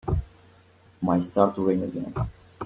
Might start to rain again.